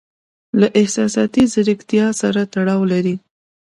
له احساساتي زیرکتیا سره تړاو لري.